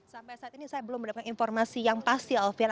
sampai saat ini saya belum mendapatkan informasi yang pasti alfian